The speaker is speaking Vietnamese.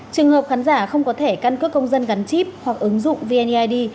trường hợp khán giả không có thẻ căn cước công dân gắn chip hoặc ứng dụng vneid